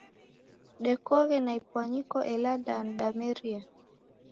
Dekoghe na ipwanyiko ela danu dameria.